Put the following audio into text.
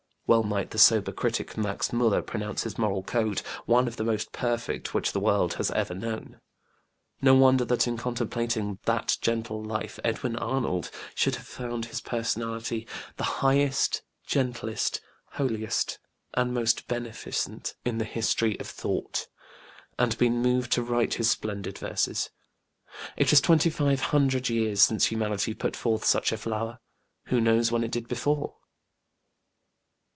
Well might the sober critic Max MÃžller pronounce his moral code "one of the most perfect which the world has ever known". No wonder that in contemplating that gentle life Edwin Arnold should have found his personality "the highest, gentlest, holiest and most beneficent ... in the history of thought," and been moved to write his splendid verses. It is twenty five hundred years since humanity put forth such a flower: who knows when it did before?